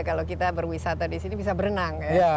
kalau kita berwisata di sini bisa berenang ya